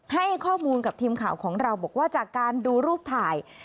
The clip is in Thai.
ให้ข้อมูลกับทีมข่าวของเราบอกว่าจากการดูรูปถ่าย